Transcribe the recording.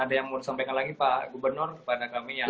ada yang mau disampaikan lagi pak gubernur kepada kami yang